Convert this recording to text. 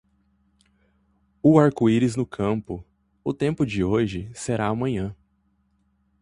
O arco-íris no campo, o tempo de hoje será amanhã.